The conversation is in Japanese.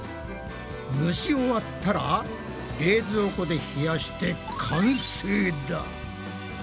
蒸し終わったら冷蔵庫で冷やして完成だ！